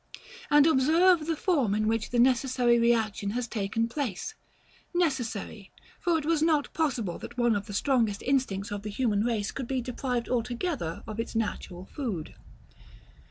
And observe the form in which the necessary reaction has taken place; necessary, for it was not possible that one of the strongest instincts of the human race could be deprived altogether of its natural food.